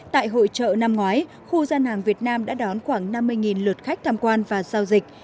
tại hội trợ năm ngoái khu gian hàng việt nam đã đón khoảng năm mươi lượt khách tham quan và giao dịch